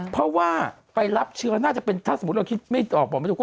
เพราะว่าไปรับเชื้อน่าจะเป็นถ้าสมมุติเราคิดไม่ออกบอกไม่ถูกค